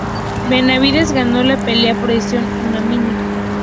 Benavidez ganó la pelea por decisión unánime.